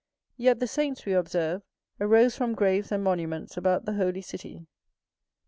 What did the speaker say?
Yet the saints, we observe, arose from graves and monuments about the holy city.